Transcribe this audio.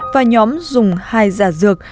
và nhóm dùng hai giả dược